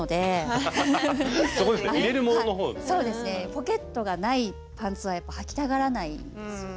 ポケットがないパンツはやっぱはきたがらないです。